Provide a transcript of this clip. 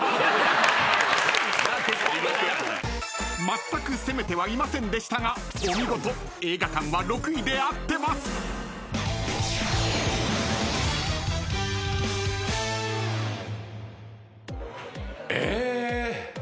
［まったく攻めてはいませんでしたがお見事映画館は６位で合ってます］え？